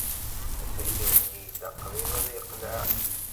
Asakal-nni yella qrib ad yeqleɛ.